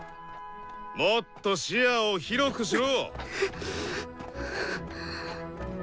もっと視野を広くしろ！